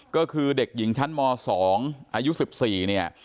ก็คือเด็กหญิงชั้นม๒อายุ๑๔เนี่ย